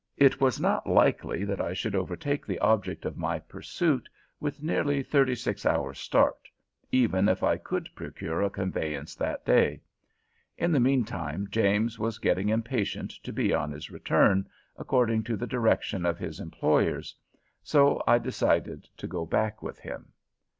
It was not likely that I should overtake the object of my pursuit with nearly thirty six hours start, even if I could procure a conveyance that day. In the mean time James was getting impatient to be on his return, according to the direction of his employers. So I decided to go back with him.